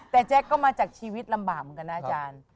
แต่แจ๊คก็มาจากชีวิตลำบากเหมือนกันนะอาจารย์